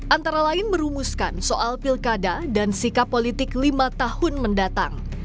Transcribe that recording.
antara lain merumuskan soal pilkada dan sikap politik lima tahun mendatang